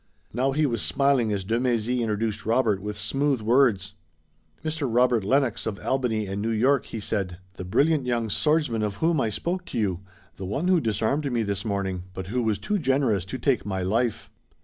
Now he was smiling as de Mèzy introduced Robert with smooth words. "Mr. Robert Lennox of Albany and New York," he said, "the brilliant young swordsman of whom I spoke to you, the one who disarmed me this morning, but who was too generous to take my life."